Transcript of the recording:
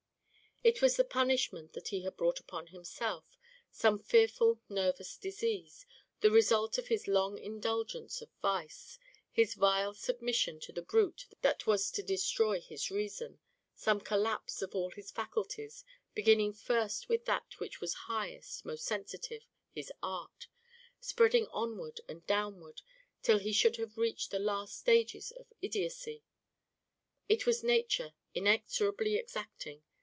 It was the punishment that he had brought upon himself, some fearful nervous disease, the result of his long indulgence of vice, his vile submission to the brute that was to destroy his reason; some collapse of all his faculties, beginning first with that which was highest, most sensitive his art spreading onward and downward till he should have reached the last stages of idiocy. It was Nature inexorably exacting.